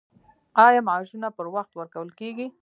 آیا معاشونه پر وخت ورکول کیږي؟